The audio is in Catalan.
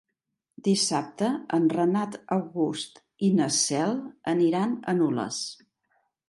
Dissabte en Renat August i na Cel aniran a Nules.